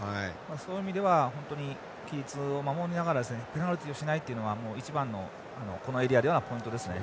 そういう意味では本当に規律を守りながらペナルティをしないというのは一番のこのエリアではポイントですね。